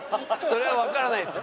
それはわからないです。